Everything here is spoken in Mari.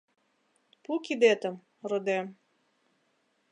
«Пу кидетым, родем!».